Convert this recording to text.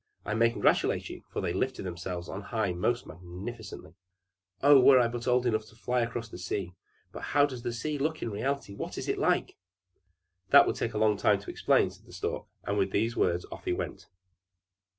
I may congratulate you, for they lifted themselves on high most majestically!" "Oh, were I but old enough to fly across the sea! But how does the sea look in reality? What is it like?" "That would take a long time to explain," said the Stork, and with these words off he went.